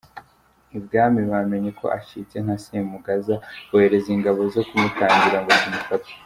Ibwami bamenya ko acitse nka Semugaza, bohereza ingabo zo kumutangira ngo zimufate.